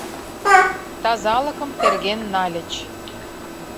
Тазалыкым терген нальыч.